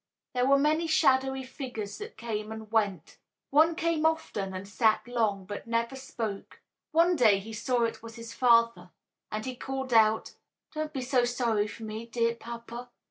There were many shadowy figures that came and went. One came often and sat long, but never spoke. One day he saw it was his father, and he called out to it: "Don't be so sorry for me, dear papa.